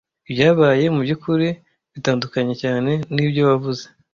Ibyabaye mubyukuri bitandukanye cyane nibyo wavuze.